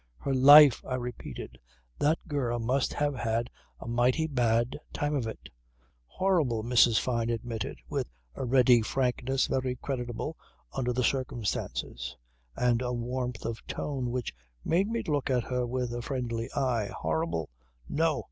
"Her life!" I repeated. "That girl must have had a mighty bad time of it." "Horrible," Mrs. Fyne admitted with a ready frankness very creditable under the circumstances, and a warmth of tone which made me look at her with a friendly eye. "Horrible! No!